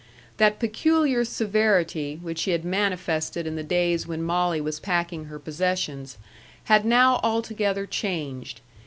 That peculiar severity which she had manifested in the days when Molly was packing her possessions, had now altogether changed.